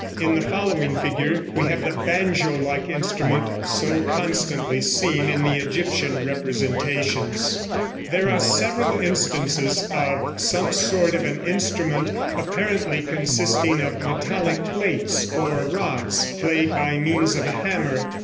In the following figure we have the banjo like instrument so constantly seen in the Egyptian representations. [Illustration: Fig. 11.] There are several instances of some sort of an instrument, apparently consisting of metallic plates or rods, played by means of a hammer.